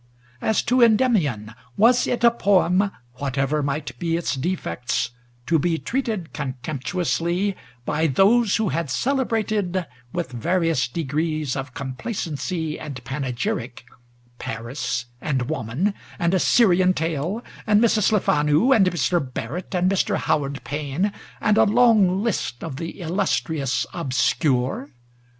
As to Endymion, was it a poem, whatever might be its defects, to be treated contemptuously by those who had celebrated with various degrees of complacency and panegyric Paris and \Vo vian and a Syrian Tale, and Mrs. Lefanu and Mr. Barrett and Mr. Howard Payne and a long list of the illustrious obscure